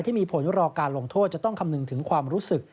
ที่มีผลรอการลงโทษจะต้องคำนึงถึงความรู้สึก